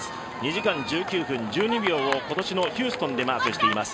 ２時間１９分１２秒を今年のヒューストンでマークしています。